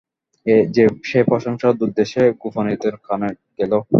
সে প্রশংসা দূরদেশে গোপীনাথের কানে গেল।